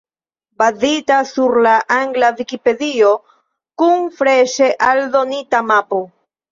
Bazita sur la angla Vikipedio, kun freŝe aldonita mapo.